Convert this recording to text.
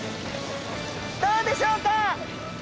どうでしょうか？